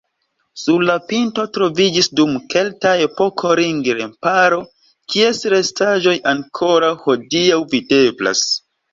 Sur la pinto troviĝis dum kelta epoko ring-remparo, kies restaĵoj ankoraŭ hodiaŭ videblas.